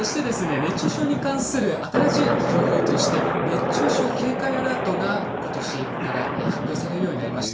熱中症に関する新しい情報として熱中症警戒アラートがことしから発表されるようになりました。